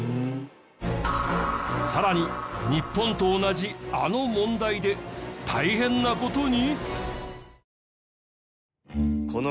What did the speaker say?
さらに日本と同じあの問題で大変な事に！？